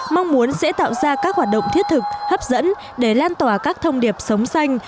mong muốn sẽ tạo ra các hoạt động thiết thực hấp dẫn để lan tỏa các thông điệp sống xanh